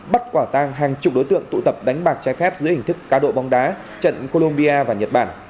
bắt quả tang hàng chục đối tượng tụ tập đánh bạc trái phép dưới hình thức cá độ bóng đá trận colombia và nhật bản